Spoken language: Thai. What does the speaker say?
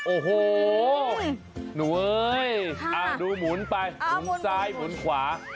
โอ้โหหนูเอ้ยดูหมุนไปหมุนซ้ายหมุนขวา